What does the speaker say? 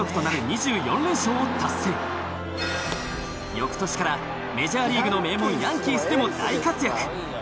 翌年からメジャーリーグの名門ヤンキースでも大活躍。